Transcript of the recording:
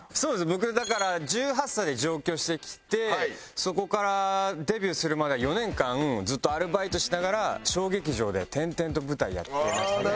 僕はだから１８歳で上京してきてそこからデビューするまでの４年間ずっとアルバイトしながら小劇場で転々と舞台やってましたね。